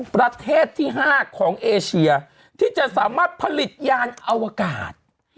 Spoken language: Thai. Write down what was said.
ประเทศที่๕ของเอเชียที่จะสามารถผลิตยานอวกาศ